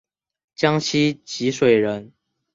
江西吉水人。